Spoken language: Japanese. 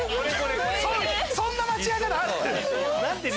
そんな間違い方ある？